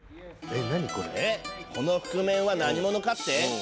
えっこの覆面は何者かって？